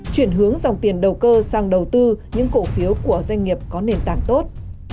chuyển hướng dòng tiền đầu cơ sang đầu tư những cổ phiếu của doanh nghiệp có nền tảng tốt